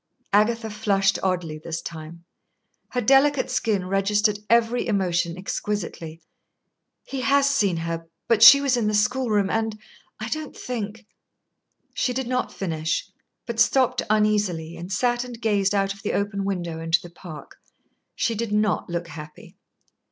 Agatha flushed oddly this time. Her delicate skin registered every emotion exquisitely. "He has seen her, but she was in the school room, and I don't think " She did not finish, but stopped uneasily, and sat and gazed out of the open window into the park. She did not look happy.